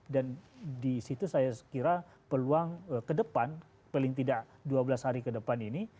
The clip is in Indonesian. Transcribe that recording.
dan disitu saya kira peluang kedepan paling tidak dua belas hari kedepan ini